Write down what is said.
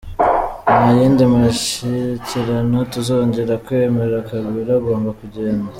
Nta yindi mashyikirano tuzongera kwemera, Kabila agomba kugenda.